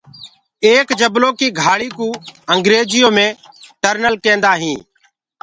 ايڪ جبلو ڪي گھآݪ ڪُو انگريجيو مي ٽنل ڪيندآ هي۔